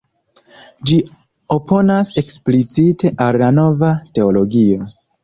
Ĝi oponas eksplicite al la Nova Teologio.